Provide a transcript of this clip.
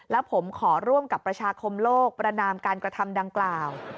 และผมขอร่วมกับประชาคมโลกประนามการกระทำดังกล่าว